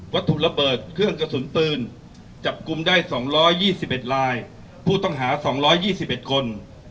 ถูกระเบิดเครื่องกระสุนปืนจับกลุ่มได้๒๒๑ลายผู้ต้องหา๒๒๑คน